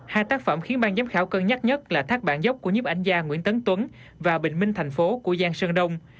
hai tác phẩm khiến ban giám khảo cân nhắc nhất là thác bản dốc của nhiếp ảnh gia nguyễn tấn tuấn và bình minh thành phố của giang sơn đông